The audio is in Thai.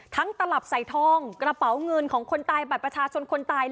ตลับใส่ทองกระเป๋าเงินของคนตายบัตรประชาชนคนตาย